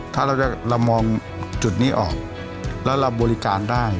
ถ้าเรามองจุดนี้ออกและเรารับบริการได้